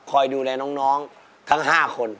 ดูแลน้องทั้ง๕คน